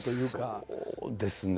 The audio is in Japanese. そうですね。